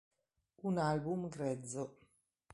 Un album grezzo.